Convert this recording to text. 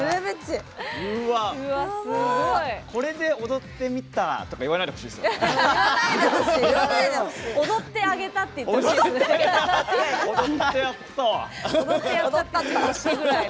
これで踊ってみたとかいわないでほしい。